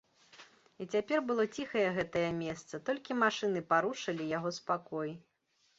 І цяпер было ціхае гэтае месца, толькі машыны парушылі яго спакой.